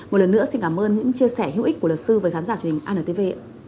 một lần nữa xin cảm ơn những chia sẻ hữu ích của lợi sư với khán giả truyền antv